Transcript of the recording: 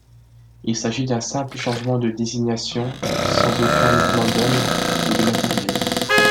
Il s'agit d'un simple changement de désignation, sans aucun mouvement d'hommes ou de matériels.